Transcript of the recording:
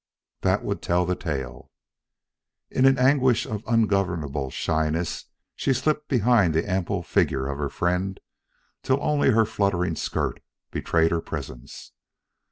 That would tell the tale. In an anguish of ungovernable shyness, she slipped behind the ample figure of her friend till only her fluttering skirt betrayed her presence.